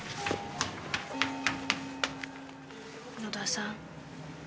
野田さん